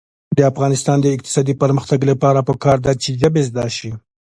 د افغانستان د اقتصادي پرمختګ لپاره پکار ده چې ژبې زده شي.